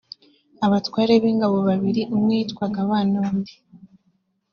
abatware b ingabo babiri umwe yitwaga b na undi